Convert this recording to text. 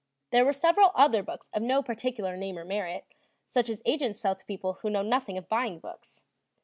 There were several other books of no particular name or merit, such as agents sell to people who know nothing of buying books.